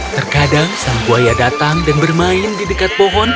terkadang sang buaya datang dan bermain di dekat pohon